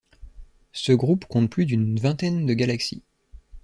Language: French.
Ce groupe compte plus d'une vingtaine de galaxies.